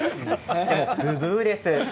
ブブーです。